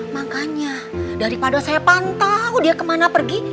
makanya daripada saya pantau dia kemana pergi